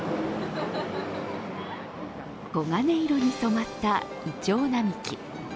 黄金色に染まったいちょう並木。